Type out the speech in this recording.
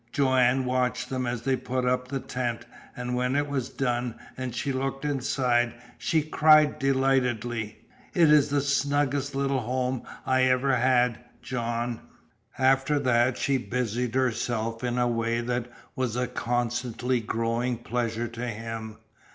Joanne watched them as they put up the tent, and when it was done, and she looked inside, she cried delightedly: "It's the snuggest little home I ever had, John!" After that she busied herself in a way that was a constantly growing pleasure to him.